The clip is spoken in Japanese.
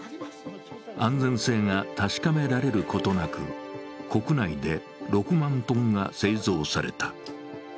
安全性が確かめられることなく、国内で６万トンが製造された。